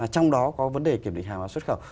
trong đó có vấn đề kiểm định hàng hóa xuất khẩu